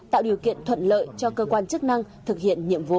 tạo điều kiện thuận lợi cho cơ quan chức năng thực hiện nhiệm vụ